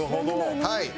はい。